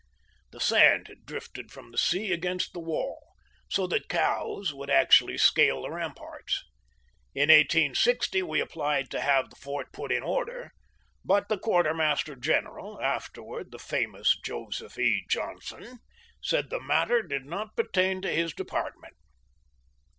The sand had drifted from the sea against the wall, so that cows would actually scale the ramparts. In 1860 we applied to have the fort put in order, but the quartermaster general, afterward the famous Joseph E. Johnston, said the matter did not pertain to his department.